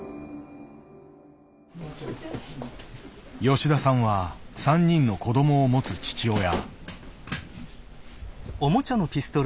吉田さんは３人の子どもを持つ父親。